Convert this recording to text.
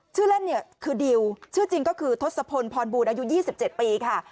ชื่อเล่นเนี่ยคือดิวชื่อจริงก็คือทศพลพรบูรอายุ๒๗ปีค่ะ